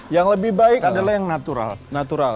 yang lebih baik adalah yang natural natural